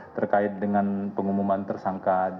terkait dengan pengumuman tersangkapan